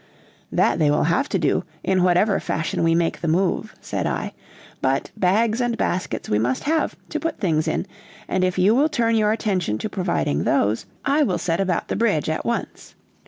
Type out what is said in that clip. "That they will have to do, in whatever fashion we make the move," said I; "but bags and baskets we must have, to put things in, and if you will turn your attention to providing those, I will set about the bridge at once.